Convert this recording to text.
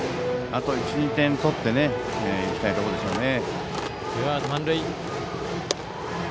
あと１２点取っていきたいところですね。